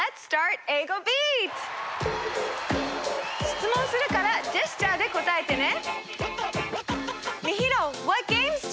しつもんするからジェスチャーで答えてね。